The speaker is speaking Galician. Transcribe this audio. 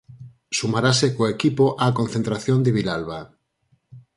Sumarase co equipo á concentración de Vilalba.